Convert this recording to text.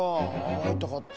ああいたかった。